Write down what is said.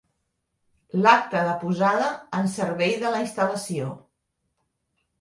L'acta de posada en servei de la instal·lació.